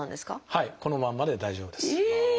はいこのまんまで大丈夫です。